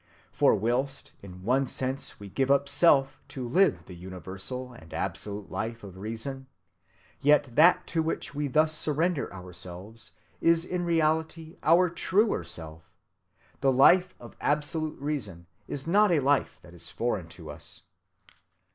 For whilst in one sense we give up self to live the universal and absolute life of reason, yet that to which we thus surrender ourselves is in reality our truer self. The life of absolute reason is not a life that is foreign to us."